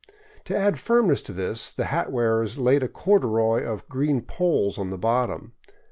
To add firmness to this, the hat wearers laid a corduroy of green poles in the bottom.